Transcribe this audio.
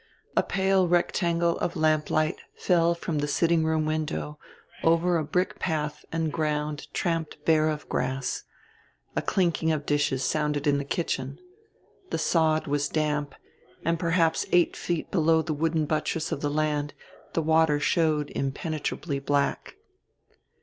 A pale rectangle of lamplight fell from the sitting room window over a brick path and ground tramped bare of grass; a clinking of dishes sounded in the kitchen. The sod was damp, and perhaps eight feet below the wooden buttress of the land the water showed impenetrably black.